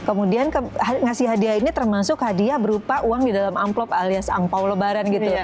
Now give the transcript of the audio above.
kemudian ngasih hadiah ini termasuk hadiah berupa uang di dalam amplop alias angpao lebaran gitu